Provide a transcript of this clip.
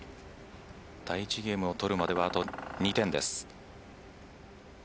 第１ゲームを取るまではあと２点です。